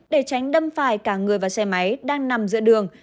để tránh đâm phải cả người và xe máy đang nằm giữa đường